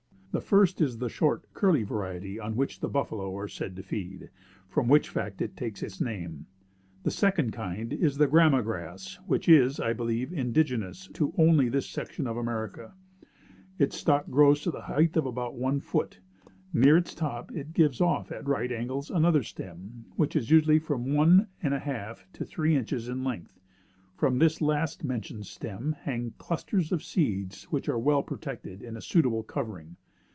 The first is the short, curly variety, on which the buffalo are said to feed, from which fact it takes its name. The second kind is the Grama grass, which is, I believe, indigenous to only this section of America. Its stalk grows to the height of about one foot. Near its top, it gives off, at right angles, another stem, which is usually from one and a half to three inches in length. From this last mentioned stem, hang clusters of seeds which are well protected by a suitable covering.